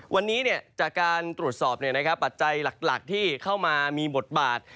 วันนี้จากการตรวจสอบปัจจัยหลักที่เข้ามามีบทบาท